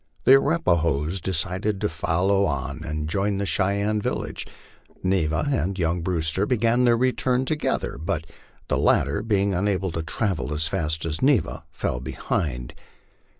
The Arapahoes decided to follow on and join the Cheyenne village. Neva and young Brewster began their return together, but the lat ter, being unable to travel as fast as Neva, fell behind.